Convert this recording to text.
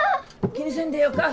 気にせんでよか。